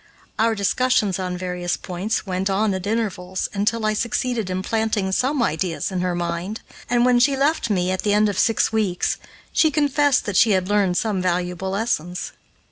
Our discussions, on various points, went on at intervals, until I succeeded in planting some ideas in her mind, and when she left me, at the end of six weeks, she confessed that she had learned some valuable lessons.